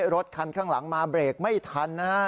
รถคันข้างหลังมาเบรกไม่ทันนะฮะ